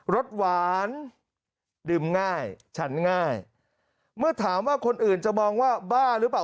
รสหวานดื่มง่ายฉันง่ายเมื่อถามว่าคนอื่นจะมองว่าบ้าหรือเปล่า